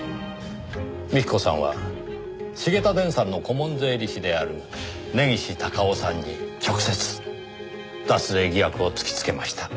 幹子さんは繁田電産の顧問税理士である根岸隆雄さんに直接脱税疑惑を突きつけました。